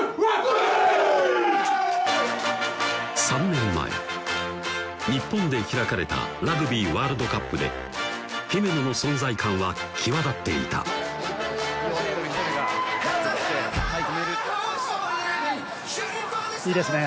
３年前日本で開かれたラグビーワールドカップで姫野の存在感は際立っていたいいですね